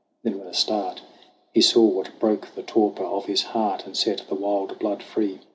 Then with a start He saw what broke the torpor of his heart And set the wild blood free.